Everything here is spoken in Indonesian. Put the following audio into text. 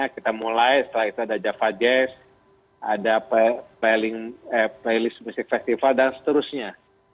kita mulai setelah itu ada java jazz ada playlist music festival dan seterusnya